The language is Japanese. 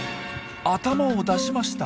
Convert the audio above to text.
頭を出しました。